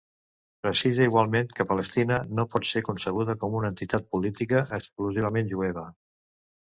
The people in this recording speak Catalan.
Precisa igualment que Palestina no pot ser concebuda com una entitat política exclusivament jueva.